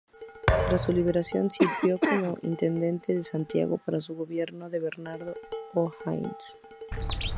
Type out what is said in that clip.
Tras su liberación sirvió como Intendente de Santiago para el gobierno de Bernardo O'Higgins.